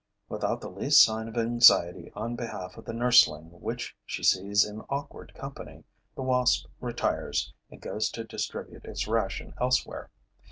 Without the least sign of anxiety on behalf of the nursling which she sees in awkward company, the wasp retires and goes to distribute its ration elsewhere.